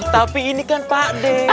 tapi ini kan pak d